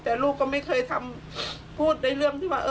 แต่ลูกก็ไม่เคยทำพูดในเรื่องที่ว่า